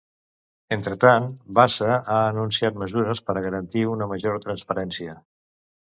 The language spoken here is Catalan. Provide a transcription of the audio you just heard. Entretant, Bassa ha anunciat mesures per a garantir una major transparència.